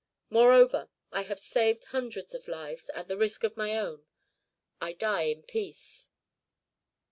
Moreover, I have saved hundreds of lives at the risk of my own. I die in peace.